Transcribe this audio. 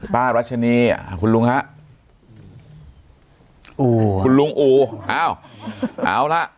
ป้ารัชนีคุณลุงค่ะอู่คุณลุงอู่เอาล่ะ